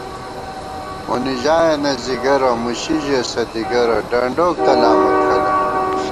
مونی ژایَنہ ځِگَرَہ ، مُشی ژېس دِگَرَہ ، ڈنڈوک تلامہ کھلہ